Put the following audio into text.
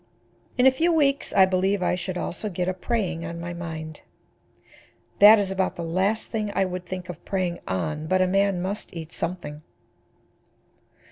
In a few weeks I believe I should also get a preying on my mind. That is about the last thing I would think of preying on, but a man must eat something.